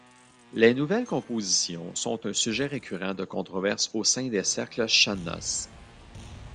Les nouvelles compositions sont un sujet récurrent de controverse au sein des cercles sean-nós.